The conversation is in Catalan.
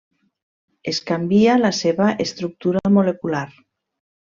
Es canvia la seva estructura molecular.